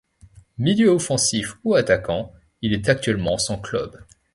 Milieu offensif ou attaquant, il est actuellement sans club.